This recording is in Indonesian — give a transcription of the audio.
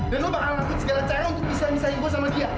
dan lo bakal ngaku segala cara untuk pisahin pisahin gua sama dia